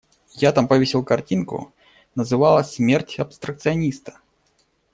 Я там повесил картинку, называлась «Смерть абстракциониста».